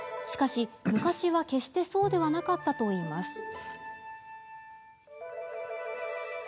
しかし、昔は決してそうではなかったといいます。